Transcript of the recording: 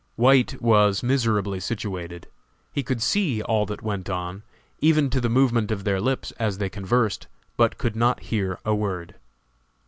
White was miserably situated. He could see all that went on, even to the movement of their lips as they conversed, but could not hear a word.